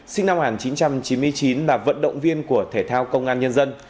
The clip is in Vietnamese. sinh năm một nghìn chín trăm chín mươi chín là vận động viên của thể thao công an nhân dân